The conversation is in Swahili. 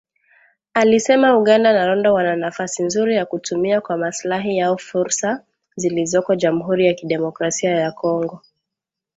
Alisema Uganda na Rwanda wana nafasi nzuri ya kutumia kwa maslahi yao fursa zilizoko Jamuhuri ya kidemokrasia ya kongo